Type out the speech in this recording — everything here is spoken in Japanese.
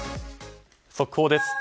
速報です。